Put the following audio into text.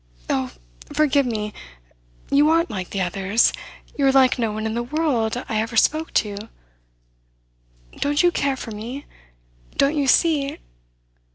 Oh, forgive me! You aren't like the others; you are like no one in the world I ever spoke to. Don't you care for me? Don't you see